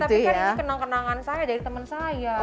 tapi kan ini kenang kenangan saya dari teman saya